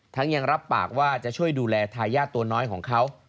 ยังรับปากว่าจะช่วยดูแลทายาทตัวน้อยของเขา